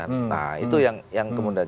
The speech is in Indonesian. nah itu yang kemudian